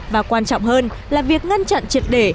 và quan trọng hơn là việc ngăn chặn triệt để